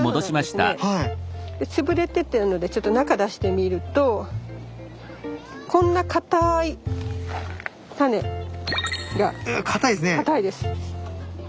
で潰れてるのでちょっと中出してみるとこんなかたいタネが。うわかたいっすね。